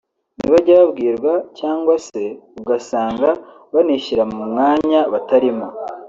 ntibajya babwirwa cyangwa se ugasanga banishyira mu mwanya batarimo